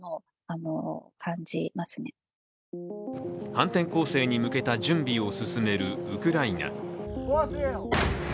反転攻勢に向けた準備を進めるウクライナ。